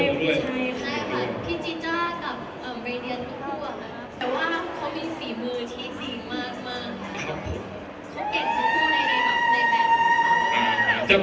เสียงปลดมือจังกัน